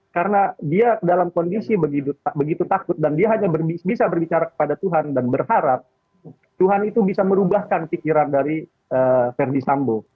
karena dia dalam kondisi begitu takut dan dia hanya bisa berbicara kepada tuhan dan berharap tuhan itu bisa merubahkan pikiran dari ferdis sambo